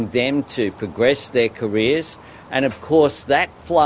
membolehkan mereka untuk berkembang di karier mereka